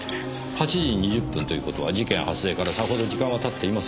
８時２０分という事は事件発生からさほど時間は経っていませんねぇ。